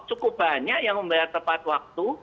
cukup banyak yang membayar tepat waktu